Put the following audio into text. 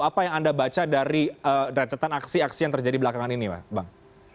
apa yang anda baca dari rentetan aksi aksi yang terjadi belakangan ini bang